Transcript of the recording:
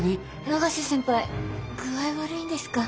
永瀬先輩具合悪いんですか？